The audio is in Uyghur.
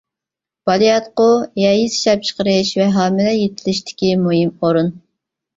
بالىياتقۇ ھەيز ئىشلەپچىقىرىش ۋە ھامىلە يېتىلىشتىكى مۇھىم ئورۇن.